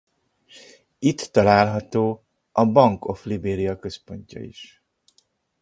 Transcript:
Itt található a Bank of Liberia központja is.